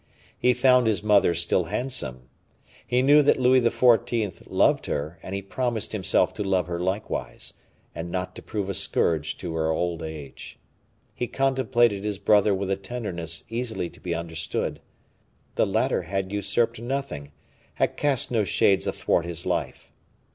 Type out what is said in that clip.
He found his mother still handsome. He knew that Louis XIV. loved her, and he promised himself to love her likewise, and not to prove a scourge to her old age. He contemplated his brother with a tenderness easily to be understood. The latter had usurped nothing, had cast no shades athwart his life.